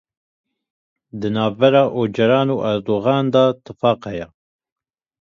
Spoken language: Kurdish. Di navbera Ocalan û Erdogan de tifaq heye.